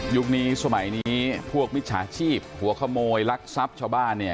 นี้สมัยนี้พวกมิจฉาชีพหัวขโมยลักทรัพย์ชาวบ้านเนี่ย